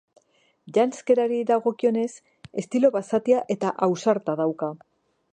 Janzkerari dagokionez, estilo basatia eta ausarta dauka.